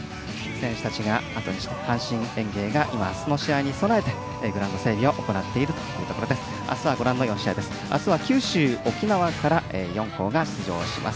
選手たちがあとにして阪神園芸が、あすの試合に備えてグラウンド整備を行っています。